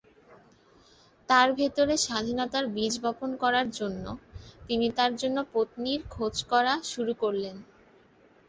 তার ভেতরে স্বাধীনতার বীজ বপন করার জন্য, তিনি তার জন্য পত্নীর খোঁজ করা শুরু করলেন।